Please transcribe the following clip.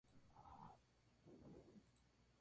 El decano actual es el Dr. Palacio.